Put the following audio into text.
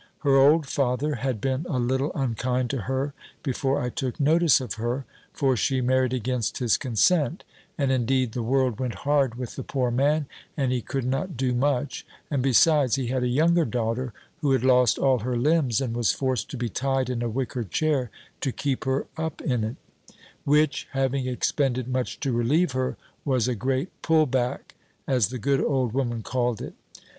Her old father had been a little unkind to her, before I took notice of her; for she married against his consent; and indeed the world went hard with the poor man, and he could not do much; and besides, he had a younger daughter, who had lost all her limbs, and was forced to be tied in a wicker chair, to keep her up in it; which (having expended much to relieve her) was a great pull back, as the good old woman called it.